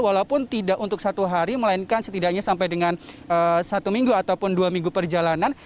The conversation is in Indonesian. walaupun tidak untuk satu hari melainkan setidaknya sampai dengan satu minggu ataupun dua minggu perjalanan